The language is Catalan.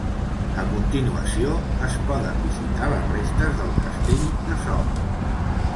A continuació, es poden visitar les restes del castell de Sort.